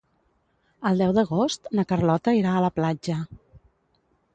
El deu d'agost na Carlota irà a la platja.